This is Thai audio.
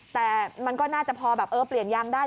แต่มันก็น่าจะพอแบบเออเปลี่ยนยางได้